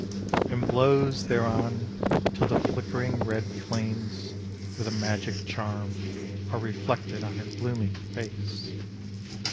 And blows thereon, Till the flickering red flames With a magic charm are reflected On her blooming face.